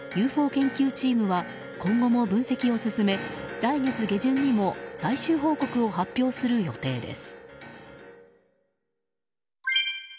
研究チームは今後も分析を進め来月下旬にも最終報告を発表する予定です。